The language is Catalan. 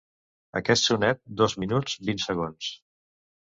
Aquest sonet, dos minuts, vint segons.